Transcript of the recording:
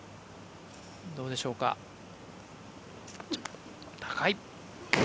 どうでしょうか、高い。